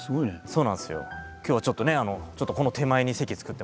そうなんですよ。